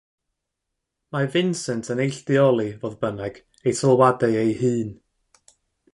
Mae Vincent yn neilltuoli, fodd bynnag, ei sylwadau ei hun.